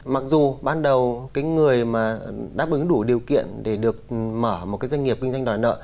mặc dù ban đầu cái người mà đáp ứng đủ điều kiện để được mở một cái doanh nghiệp kinh doanh đòi nợ